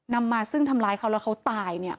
มาซึ่งทำร้ายเขาแล้วเขาตายเนี่ย